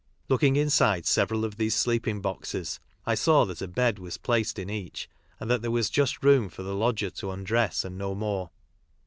Rooking inside several of these sleeping boxes I saw that a bed was placed in each, and that there was just .room for the lodger to undress and no more.